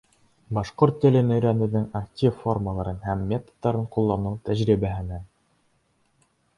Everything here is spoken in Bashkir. Башҡорт телен өйрәнеүҙең актив формаларын һәм методтарын ҡулланыу тәжрибәһенән